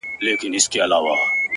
ما خپل پښتون او خپل ياغي ضمير كي ـ